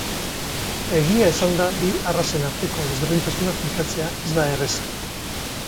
Egia esanda bi arrazen arteko desberdintasuna finkatzea ez da erreza.